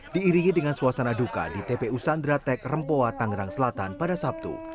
diiringi dengan suasana duka di tpu sandratek rempoa tangerang selatan pada sabtu